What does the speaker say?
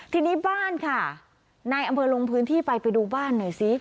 ทีนี้บ้านค่ะนายอำเภอลงพื้นที่ไปไปดูบ้านหน่อยซิ